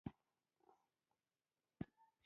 ويې ويل: ځو؟